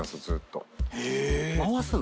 回すの？